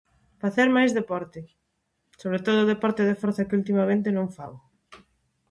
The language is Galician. Facer máis deporte, sobre todo deporte de forza que ultimamente non fago.